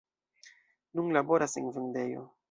Nun laboras en vendejo.